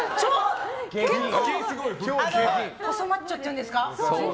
結構細マッチョっていうんですか。